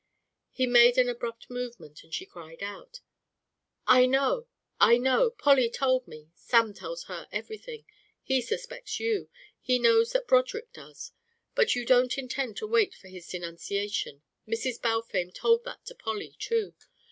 He made an abrupt movement, and she cried out: "I know! I know! Polly told me Sam tells her everything. He suspects you. He knows that Broderick does. But you don't intend to wait for his denunciation. Mrs. Balfame told that to Polly too.